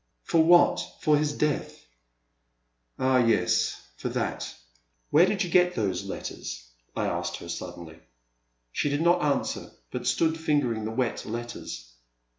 For what ?— for his death ?" Ah, yes, for that." Whefe did you get those letters ?" I asked her, suddenly. She did not answer, but stood fingering the wet letters.